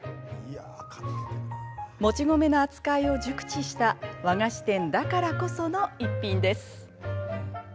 もち米の扱いを熟知した和菓子店だからこその逸品です。